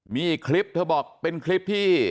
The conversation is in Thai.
มีอีกคลิปเธอบอกเป็นคลิปที่